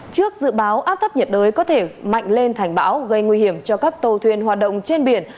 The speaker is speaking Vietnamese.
trước dự báo áp thấp nhiệt đới có thể mạnh lên thành bão gây nguy hiểm cho các tàu thuyền hoạt động trên biển